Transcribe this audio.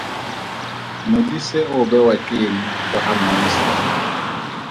Modise o bewa ke eng kwa ga Mmamosidi?